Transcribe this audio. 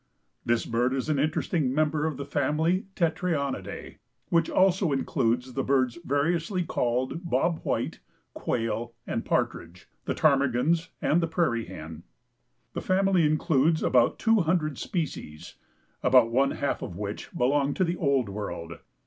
This bird is an interesting member of the bird family Tetraonidae, which also includes the birds variously called bob white, quail and partridge, the ptarmigans and the prairie hen. The family includes about two hundred species, about one half of which belong to the Old World.